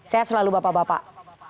sehat selalu bapak bapak